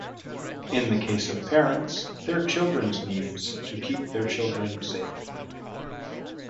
In the case of parents, their children's needs to keep their children safe.